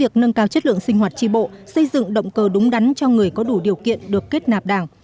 việc nâng cao chất lượng sinh hoạt tri bộ xây dựng động cơ đúng đắn cho người có đủ điều kiện được kết nạp đảng